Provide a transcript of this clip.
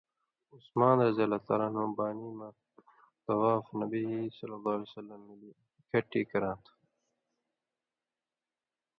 عثمانؓ بانیۡ مہ طواف نبیﷺ مِلیۡ اېکٹھی کرا تُھو۔